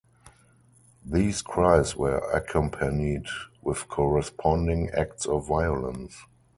These cries were accompanied with corresponding acts of violence.